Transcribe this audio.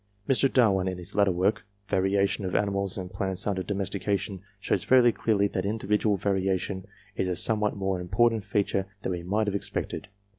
Mr. Darwin, in his latter work, " Variation of Animals A A 2 356 GENERAL CONSIDERATIONS and Plants under Domestication," shows very clearly that individual variation is a somewhat more important feature than we might have expected.